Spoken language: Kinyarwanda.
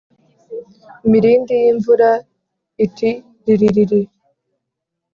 imirindi y’imvura iti riririri